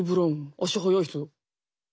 足速い人。